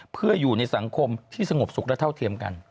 เพื่ออยู่ในสังคมที่สงบสุขและเท่าเทียมกัน